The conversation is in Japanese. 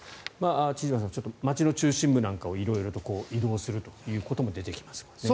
千々岩さん、街の中心部なんかを色々と移動することも出てきますね。